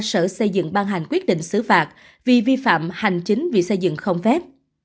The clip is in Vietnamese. sở xây dựng ban hành quyết định xứ vạc vì vi phạm hành chính vì xây dựng không phép